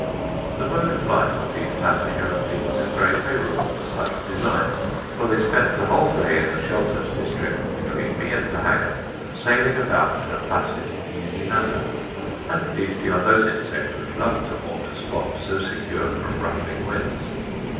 The mode of life of these latter hirundines is very favourable to such a design; for they spend the whole day in the sheltered district between me and the Hanger, sailing about in a placid, easy manner, and feasting on those insects which love to haunt a spot so secure from ruffling winds.